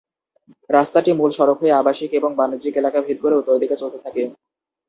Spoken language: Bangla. রাস্তাটি মূল সড়ক হয়ে আবাসিক এবং বাণিজ্যিক এলাকা ভেদ করে উত্তর দিকে চলতে থাকে।